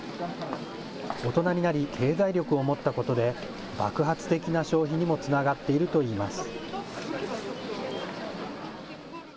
大人になり経済力を持ったことで、爆発的な消費にもつながっているといいます。